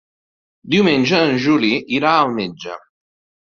Diumenge en Juli irà al metge.